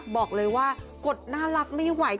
บอกเลยว่ากดน่ารักไม่ไหว